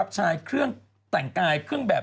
ชายเครื่องแต่งกายเครื่องแบบ